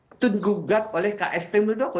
itu digugat oleh ksp muldoko